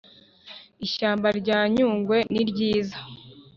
Ishyamba ryanyungwe niryiza